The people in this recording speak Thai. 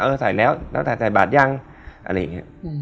เออใส่แล้วแล้วใส่บาทย่างอะไรอย่างนี้